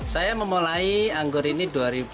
saya memulai anggur ini dua ribu dua